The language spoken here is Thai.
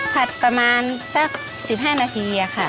ประมาณสัก๑๕นาทีค่ะ